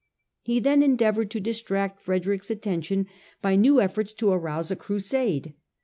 He then endeavoured to distract Frederick's attention by new efforts to arouse a Crusade.